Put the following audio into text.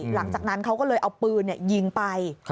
หลังจากนั้นเขาก็เลยเอาปืนยิงไป